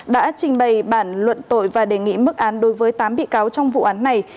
đã trình bày bản luận tội và đề nghị mức án đối với tám bị cáo trong vụ án này